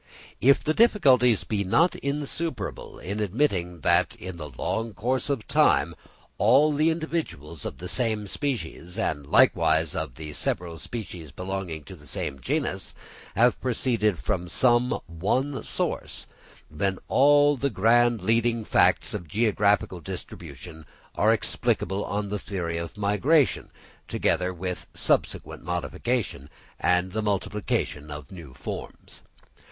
If the difficulties be not insuperable in admitting that in the long course of time all the individuals of the same species, and likewise of the several species belonging to the same genus, have proceeded from some one source; then all the grand leading facts of geographical distribution are explicable on the theory of migration, together with subsequent modification and the multiplication of new forms.